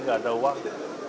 tidak ada uang